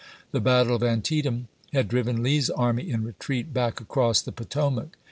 The battle of Antietam had driven Lee's army in retreat back across the Potomac.